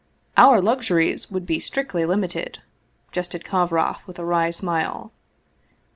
" Our luxuries would be strictly limited," jested Kovroff, with a wry smile.